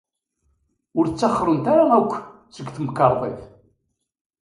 Ur ttaxrent ara akk seg temkarḍit.